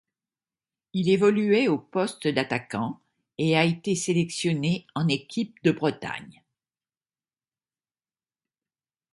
Il évoluait au poste d'attaquant et a été sélectionné en équipe de Bretagne.